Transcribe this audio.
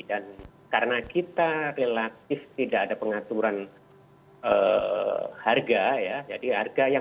dan karena kita relatif tidak ada pengaturan harga ya